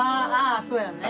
ああそうやね。